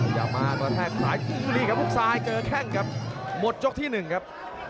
ยาม่าตัวแท่งสายกุฎีครับพวกสายเจอแค่งครับหมดยกที่๑ครับ